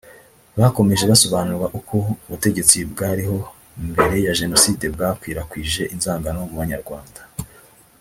Bakomeje basobanurirwa uko ubutegetsi bwariho mbere ya Jenoside bwakwirakwije inzangano mu banyarwanda